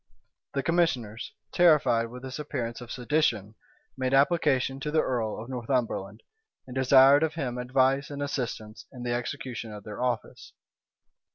The commissioners, terrified with this appearance of sedition, made application to the earl of Northumberland, and desired of him advice and assistance in the execution of their office.